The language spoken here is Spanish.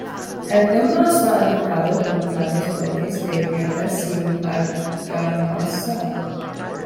El templo está edificado con grandes bloques de piedra sin argamasa.